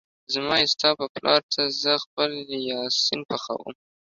زما يې ستا په پلار څه ، زه خپل يا سين پخوم